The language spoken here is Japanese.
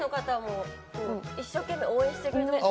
一生懸命、応援してくれてま